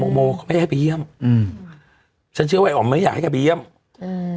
โมโมเขาไม่ได้ให้ไปเยี่ยมอืมฉันเชื่อว่าไออ๋อมไม่อยากให้แกไปเยี่ยมอืม